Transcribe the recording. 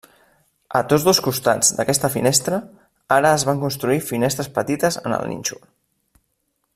A tots dos costats d'aquesta finestra, ara es van construir finestres petites en el nínxol.